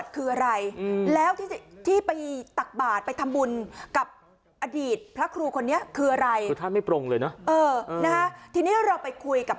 ขอให้อธิกรรมให้แกกับผมด้วยครับ